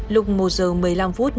lúc một giờ một mươi năm phút